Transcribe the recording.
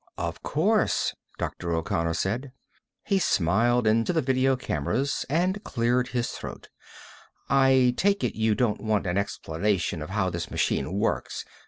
"Of course," Dr. O'Connor said. He smiled into the video cameras and cleared his throat. "I take it you don't want an explanation of how this machine works.